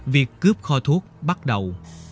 việc cướp kho thuốc bắt đầu